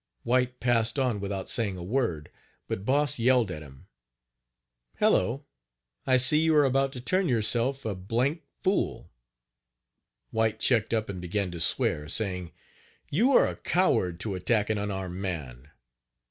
White passed on without saying a word, but Boss yelled at him: "Hello! I see you are about to turn yourself a d d fool." White checked up and began to swear, saying: "You are a coward to attack an unarmed man."